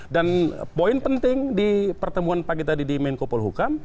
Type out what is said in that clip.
dan poin penting di pertemuan pagi tadi di menkopol hukam